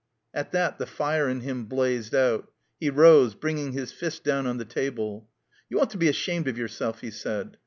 At that the fire in him blazed out. He rose, bringing his fist down on the table. "You ought to be ashamed of yourself," he said.